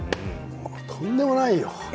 とんでもないよ。